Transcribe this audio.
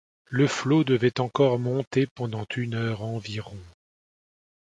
Le flot devait encore monter pendant une heure environ.